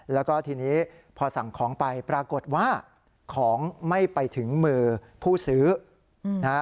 แล้วก็ทีนี้พอสั่งของไปปรากฏว่าของไม่ไปถึงมือผู้ซื้อนะฮะ